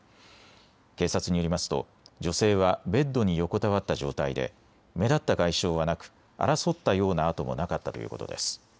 警察によりますと女性はベッドに横たわった状態で目立った外傷はなく、争ったようなあともなかったということです。